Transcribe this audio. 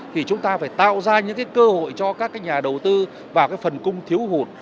thì chúng ta phải tạo ra những cơ hội cho các nhà đầu tư vào phần cung thiếu hụt